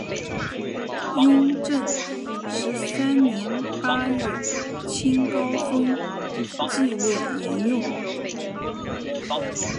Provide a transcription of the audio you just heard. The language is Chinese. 雍正十三年八月清高宗即位沿用。